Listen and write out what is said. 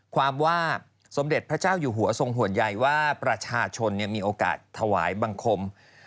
ความว่าสมเด็จพระเจ้าอยู่หัวทรงห่วงใยว่าประชาชนมีโอกาสถวายบังคม